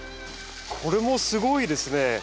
これもすごいですね。